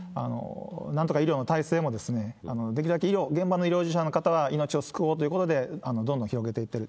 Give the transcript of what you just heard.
なんとか医療の体制もできるだけ現場の医療従事者の方は命を救おうということで、どんどん広げていってる。